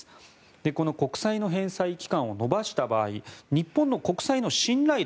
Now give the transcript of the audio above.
この国債の返済期間を延ばした場合日本の国債の信頼度